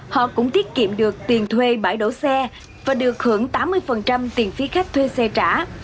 họ cũng tiết kiệm được tiền thuê bãi đổ xe và được hưởng tám mươi tiền phí khách thuê xe trả